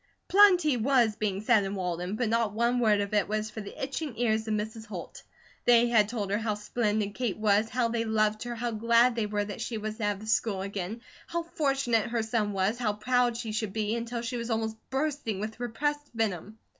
Plenty was being said in Walden, but not one word of it was for the itching ears of Mrs. Holt. They had told her how splendid Kate was, how they loved her, how glad they were that she was to have the school again, how fortunate her son was, how proud she should be, until she was almost bursting with repressed venom.